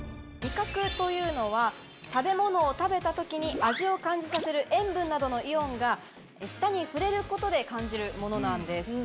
味覚というのは食べ物を食べた時に味を感じさせる塩分などのイオンが舌に触れることで感じるものなんです。